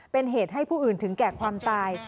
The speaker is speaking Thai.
เป็นเหตุให้ผู้อื่นถึงแก่ความตาย